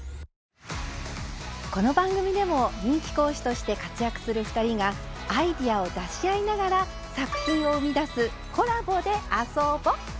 この番組でも人気講師として活躍する２人がアイデアを出し合いながら作品を生み出す「コラボで遊ぼ！」。